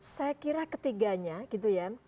saya kira ketiganya gitu ya